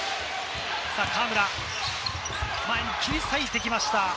河村、前に切り裂いてきました。